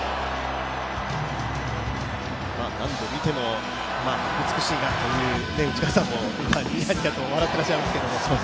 何度見ても、美しいなという、内川さんもにやにやと笑っていますけど。